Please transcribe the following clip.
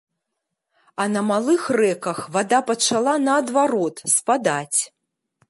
А на малых рэках вада пачала наадварот спадаць.